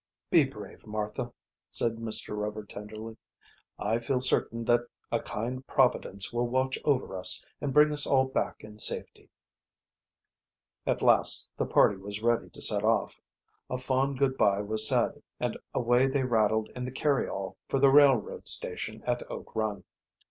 "Be brave, Martha," said Mr. Rover tenderly. "I feel certain that a kind Providence will watch over us and bring us all back in safety." At last the party was ready to set off. A fond good by was said, and away they rattled in the carryall for the railroad station at Oak Run.